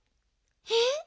えっ！？